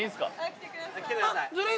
来てください。